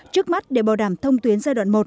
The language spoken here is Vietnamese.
trước mắt để bảo đảm thông tuyến giai đoạn một